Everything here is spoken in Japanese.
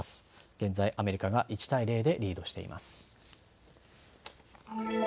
現在、アメリカが１対０でリードしています。